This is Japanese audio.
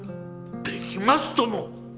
できますとも！